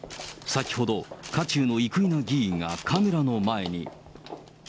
先ほど、渦中の生稲議員がカメラの前に。